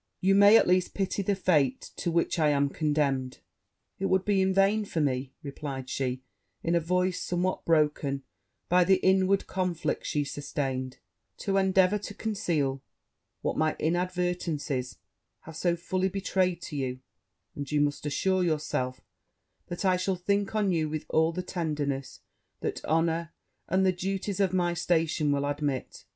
You may at least pity the fate to which I am condemned.' 'It would be in vain for me,' replied she, in a voice somewhat broken by the inward conflict she sustained, 'to endeavour to conceal what my inadvertencies have so fully betrayed to you; and you may assure yourself, that I shall think on you with all the tenderness that honour, and the duties of my station, will admit.